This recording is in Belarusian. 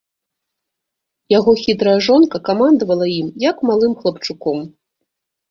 Яго хітрая жонка камандавала ім, як малым хлапчуком.